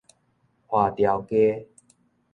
花雕雞